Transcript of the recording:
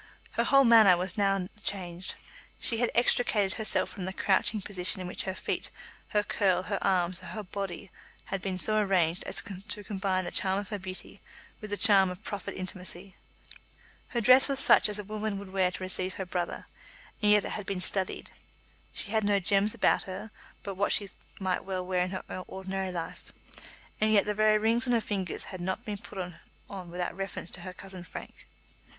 Her whole manner was now changed. She had extricated herself from the crouching position in which her feet, her curl, her arms, her whole body had been so arranged as to combine the charm of her beauty with the charm of proffered intimacy. Her dress was such as a woman would wear to receive her brother, and yet it had been studied. She had no gems about her but what she might well wear in her ordinary life, and yet the very rings on her fingers had not been put on without reference to her cousin Frank.